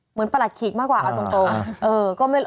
เหมือนประหลักขีกมากกว่าเอาตรง